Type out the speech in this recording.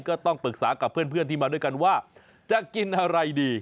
ก็ต้องปรึกษากับเพื่อนที่มาด้วยกันว่าจะกินอะไรดี